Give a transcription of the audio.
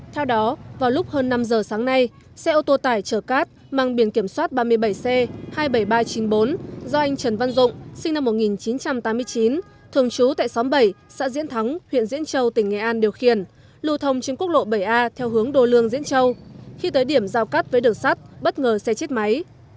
theo đó vào lúc hơn năm giờ sáng nay xe ô tô tải chở cát mang biển kiểm soát ba mươi bảy c hai mươi bảy nghìn ba trăm chín mươi bốn do anh trần văn dụng sinh năm một nghìn chín trăm tám mươi chín thường trú tại xóm bảy xã diễn thắng huyện diễn châu tỉnh nghệ an điều khiển lưu thông trên quốc lộ bảy a theo hướng đô lương diễn châu khi tới điểm giao cắt với đường sắt bất ngờ xe chết máy